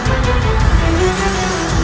aku akan mencari dia